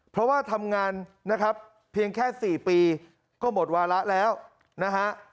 เพราะว่าทำงานนะครับเพียงแค่๔ปีก็หมดวาระแล้วนะฮะ